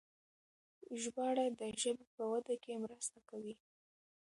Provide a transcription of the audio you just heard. ژباړه د ژبې په وده کې مرسته کوي.